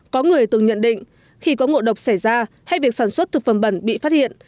có người từng nhận định khi có ngộ độc xảy ra hay việc sản xuất thực phẩm bẩn bị phát hiện